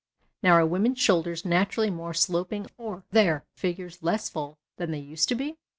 Now are women's shoulders naturally more sloping or their figures less full than they used to be